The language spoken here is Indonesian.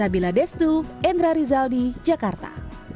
sabila destu endra rizal di jakarta